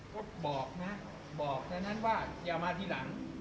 ก็บอกนะบอกดังนั้นว่าอย่ามาทีหลัง